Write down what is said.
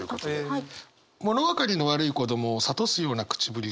はい。